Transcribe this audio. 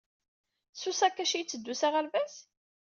S usakac ay itteddu s aɣerbaz?